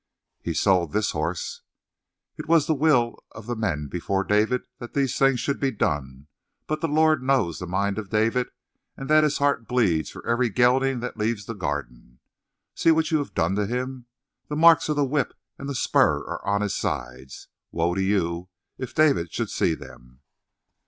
"He sold this horse." "It was the will of the men before David that these things should be done, but the Lord knows the mind of David and that his heart bleeds for every gelding that leaves the Garden. See what you have done to him! The marks of the whip and the spur are on his sides. Woe to you if David should see them!"